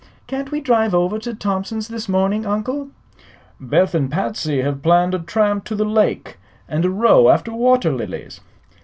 "Can't we drive over to Thompson's this morning, Uncle?" "Beth and Patsy have planned a tramp to the lake, and a row after water lilies."